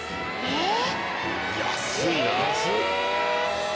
えっ！